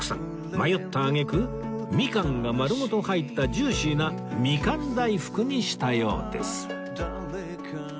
迷った揚げ句みかんが丸ごと入ったジューシーなみかん大福にしたようです